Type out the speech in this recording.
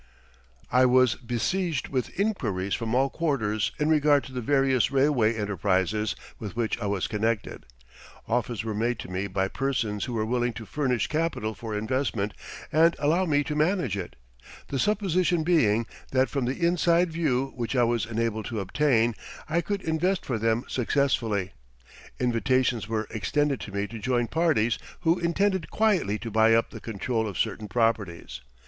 I was besieged with inquiries from all quarters in regard to the various railway enterprises with which I was connected. Offers were made to me by persons who were willing to furnish capital for investment and allow me to manage it the supposition being that from the inside view which I was enabled to obtain I could invest for them successfully. Invitations were extended to me to join parties who intended quietly to buy up the control of certain properties.